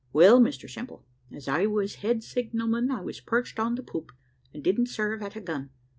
Well, Mr Simple, as I was head signalman, I was perched on the poop, and didn't serve at a gun.